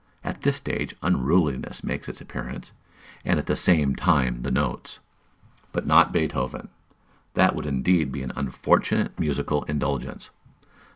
At this stage unruliness makes its appearance, and at the same time the notes; but not Beethoven. That would indeed be an unfortunate musical indulgence.